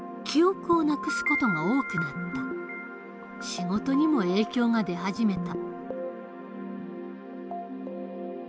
仕事にも影響が出始めた。